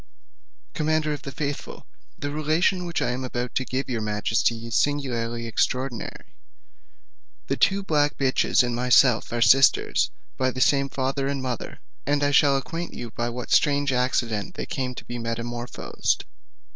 Commander of the faithful, the relation which I am about to give your majesty is singularly extraordinary. The two black bitches and myself are sisters by the same father and mother; and I shall acquaint you by what strange accident they came to be metamorphosed.